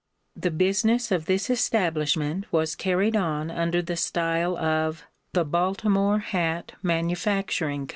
The business of this establishment was carried on under the style of "The Baltimore Hat Manufacturing Co."